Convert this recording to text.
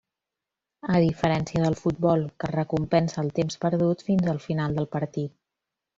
A diferència del futbol, que es recompensa el temps perdut fins al final del partit.